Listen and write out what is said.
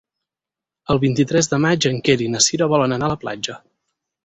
El vint-i-tres de maig en Quer i na Cira volen anar a la platja.